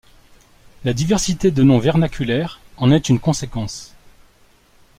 La diversité de noms vernaculaires en est une conséquence.